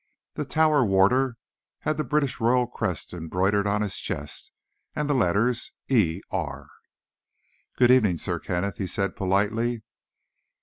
This Tower Warder had the British royal crest embroidered on his chest, and the letters: "E. R." "Good evening, Sir Kenneth," he said politely.